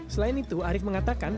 selain itu arief mengatakan